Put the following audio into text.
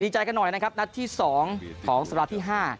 ใจกันหน่อยนะครับนัดที่๒ของสัปดาห์ที่๕